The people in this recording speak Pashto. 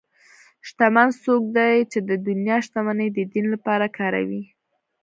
شتمن څوک دی چې د دنیا شتمني د دین لپاره کاروي.